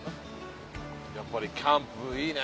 やっぱりキャンプいいね！